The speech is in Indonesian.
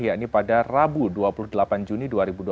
yakni pada rabu dua puluh delapan juni dua ribu dua puluh